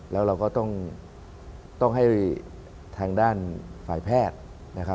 แล้วเราก็ต้องให้ทางด้านฝ่ายแพทย์นะครับ